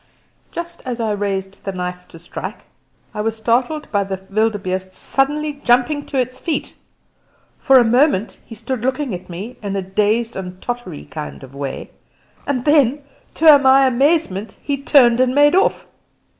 Just as I raised the knife to strike, I was startled by the wildebeeste suddenly jumping to his feet. For a moment he stood looking at me in a dazed and tottery kind of way, and then to my amazement he turned and made off.